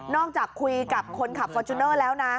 จากคุยกับคนขับฟอร์จูเนอร์แล้วนะ